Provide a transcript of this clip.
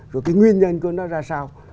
rồi cái nguyên nhân của nó ra sao